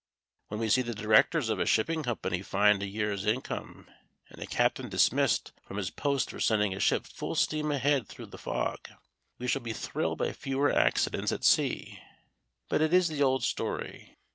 When we see the directors of a shipping company fined a year's income and a captain dismissed from his post for sending a ship full steam ahead through a fog, we shall be thrilled by fewer accidents at sea. But it is the old story.